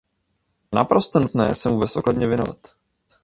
Je naprosto nutné se mu bezodkladně věnovat.